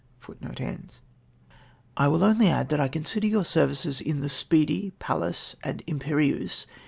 "f "I will only add that I consider your services in the Speedy, Fcdlas, and Imperieuse \yiU.